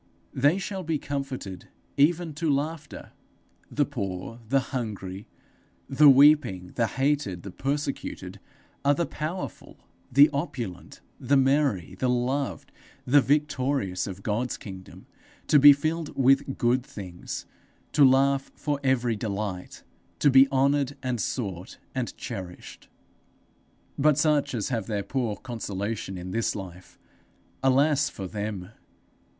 They shall be comforted even to laughter! The poor, the hungry, the weeping, the hated, the persecuted, are the powerful, the opulent, the merry, the loved, the victorious of God's kingdom, to be filled with good things, to laugh for very delight, to be honoured and sought and cherished! But such as have their poor consolation in this life alas for them!